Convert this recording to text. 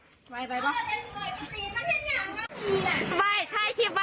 ไว้ไว้ไหมถ้าเห็นอย่างนั้นตีอ่ะไปถ่ายคลิปไว้